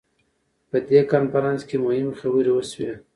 په دې کنفرانس کې مهمې خبرې وشوې.